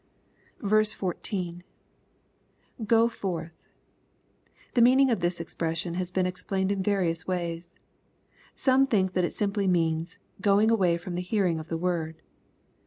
14. — [Go forth.] The meaning of this expression has been explained in various ways. Some think that it simply means " going away from the hearing of the word."